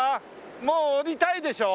もう降りたいでしょ？